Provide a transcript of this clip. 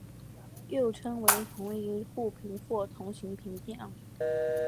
又称为同侪互评或同行评量。